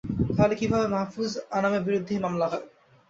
তাহলে কীভাবে মাহ্ফুজ আনামের বিরুদ্ধে এই মামলা হয়?